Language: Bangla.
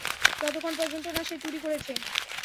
যতক্ষণ পর্যন্ত না সে চুরি করেছে।